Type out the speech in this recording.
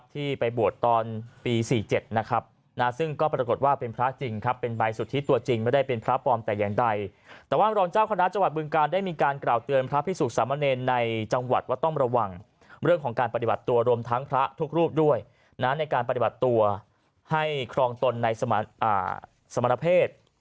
ที่ไปบวชตอนปี๔๗นะครับนะซึ่งก็ปรากฏว่าเป็นพระจริงครับเป็นใบสุทธิตัวจริงไม่ได้เป็นพระปลอมแต่อย่างใดแต่ว่ารองเจ้าคณะจังหวัดบึงการได้มีการกล่าวเตือนพระพิสุขสามเณรในจังหวัดว่าต้องระวังเรื่องของการปฏิบัติตัวรวมทั้งพระทุกรูปด้วยนะในการปฏิบัติตัวให้ครองตนในสมณเพศ